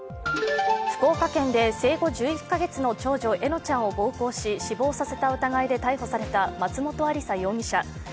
福岡県で生後１１カ月の長女・笑乃ちゃんを暴行して死亡させた疑いで逮捕された松本亜里沙容疑者。